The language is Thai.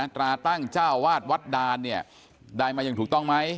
ตราตั้งเจ้าวาดวัดดานเนี่ยได้มาอย่างถูกต้องไหม